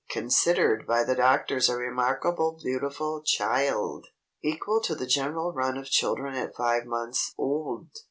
Considered by the doctors a remarkably beautiful chi ild! Equal to the general run of children at five months o ld!